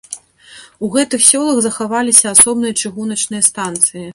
У гэтых сёлах захаваліся асобныя чыгуначныя станцыі.